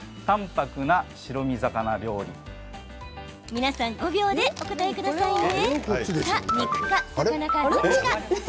皆さん５秒でお答えくださいね。